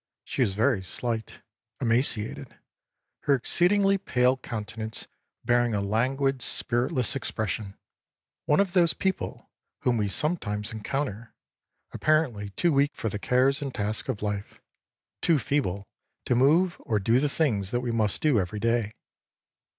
She was very slight, emaciated, her exceedingly pale countenance bearing a languid, spiritless expression; one of those people whom we sometimes encounter, apparently too weak for the cares and tasks of life, too feeble to move or do the things that we must do every day.